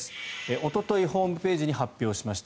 おとといホームページに発表しました。